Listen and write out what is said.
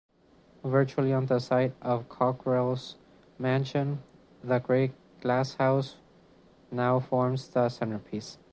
Virtually on the site of Cockerell's mansion, the Great Glasshouse now forms the centrepiece.